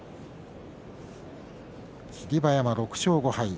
霧馬山、６勝５敗。